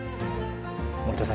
守田さん